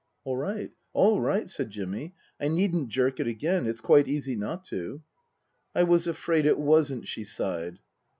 " All right all right," said Jimmy. " I needn't jerk it again. It's quite easy not to." " I was afraid it wasn't," she sighed.